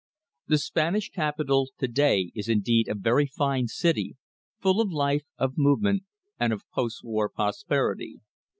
The Spanish capital to day is indeed a very fine city, full of life, of movement, and of post war prosperity.